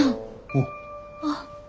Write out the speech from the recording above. おう。